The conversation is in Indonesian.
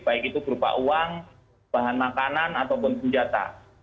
baik itu berupa uang bahan makanan ataupun senjata